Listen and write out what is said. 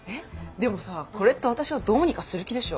でもさこれって私をどうにかする気でしょ？